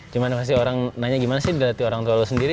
cuman pasti orang nanya gimana sih dilatih orang tua lo sendiri